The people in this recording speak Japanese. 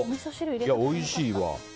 おいしいわ。